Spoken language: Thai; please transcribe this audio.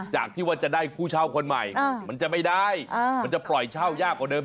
จากที่ว่าจะได้ผู้เช่าคนใหม่มันจะไม่ได้มันจะปล่อยเช่ายากกว่าเดิม